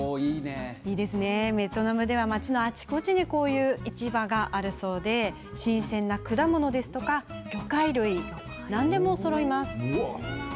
ベトナムでは街のあちこちにこうした市場があるそうで新鮮な果物、魚介類など何でもそろいます。